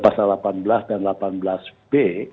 pasal delapan belas dan delapan belas b